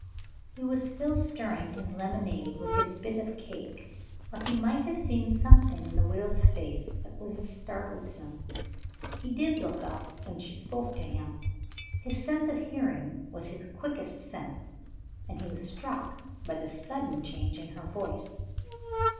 He was still stirring his lemonade with his bit of cake or he might have seen something in the widow's face that would have startled him. He did look up, when she spoke to him. His sense of hearing was his quickest sense; and he was struck by the sudden change in her voice.